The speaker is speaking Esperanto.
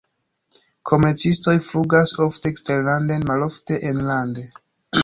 Komercistoj flugas ofte eksterlanden, malofte enlande.